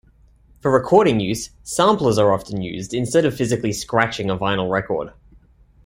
For recording use, samplers are often used instead of physically scratching a vinyl record.